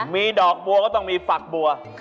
มีดอกบัวก็ต้องมีฝักบัว